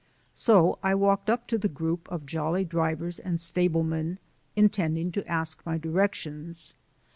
So I walked up to the group of jolly drivers and stablemen intending to ask my directions.